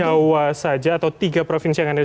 jawa saja atau tiga provinsi yang ada di jawa